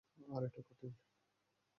আর এটা কঠিন।